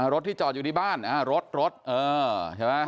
รถที่จอดอยู่ที่บ้านรถรถใช่ไหม